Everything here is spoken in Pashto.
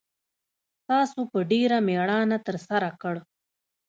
تاسو په ډېره میړانه ترسره کړ